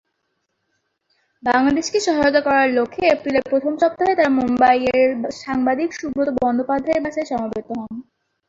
বাংলাদেশকে সহায়তা করার লক্ষ্যে এপ্রিলের প্রথম সপ্তাহে তারা মুম্বাইয়ের সাংবাদিক সুব্রত বন্দ্যোপাধ্যায়ের বাসায় সমবেত হন।